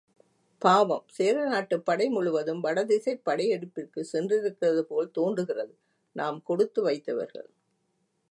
பாவம், சேர நாட்டுப் படை முழுவதும் வடதிசைப் படையெடுப்பிற்குச் சென்றிருக்கிறதுபோல் தோன்றுகிறது நாம் கொடுத்து வைத்தவர்கள்.